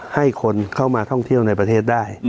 ให้คนเข้ามาท่องเที่ยวในประเทศได้